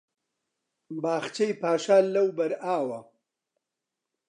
باخچەی پاشا لەوبەر ئاوە